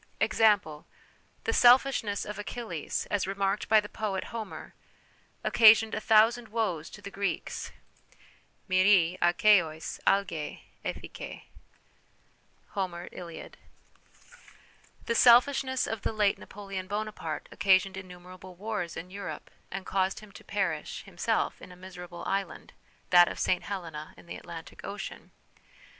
Example : The selfishness of Achilles, as remarked by the poet Homer, occasioned a thousand woes to the Greeks L 'Acajou? a'Aye' eOtjice (Horn., //. A. 2). The 244 HOME EDUCATION selfishness of the late Napoleon Bonaparte occa sioned innumerable wars in Europe, and caused him to perish, himself, in a miserable island that of St Helena in the Atlantic Ocean.